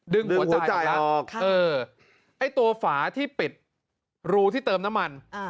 ดึงหัวจ่ายออกไอ้ตัวฝาที่ปิดรูที่เติมน้ำมัน